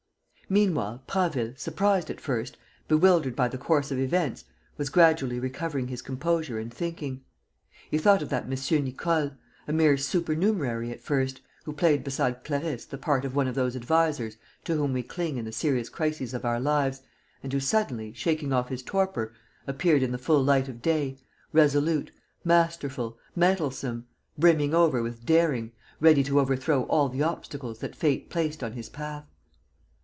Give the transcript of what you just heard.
Meanwhile, Prasville, surprised at first, bewildered by the course of events, was gradually recovering his composure and thinking. He thought of that M. Nicole, a mere supernumerary at first, who played beside Clarisse the part of one of those advisers to whom we cling in the serious crises of our lives and who suddenly, shaking off his torpor, appeared in the full light of day, resolute, masterful, mettlesome, brimming over with daring, ready to overthrow all the obstacles that fate placed on his path.